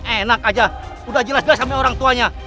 enak aja udah jelas jelas kami orang tuanya